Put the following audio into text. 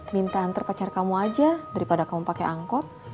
minta antar pacar kamu aja daripada kamu pakai angkot